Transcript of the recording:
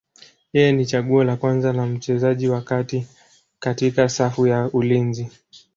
Yeye ni chaguo la kwanza la mchezaji wa kati katika safu ya ulinzi.